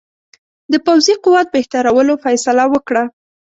د پوځي قوت بهترولو فیصله وکړه.